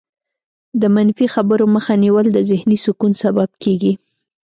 د منفي خبرو مخه نیول د ذهني سکون سبب کېږي.